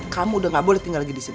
kamu udah gak boleh tinggal lagi disini